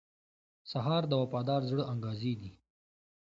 سهار د وفادار زړه انګازې دي.